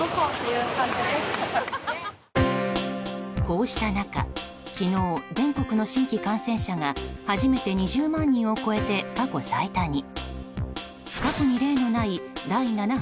こうした中、昨日全国の新規感染者が初めて２０万人を超えて過去最多に。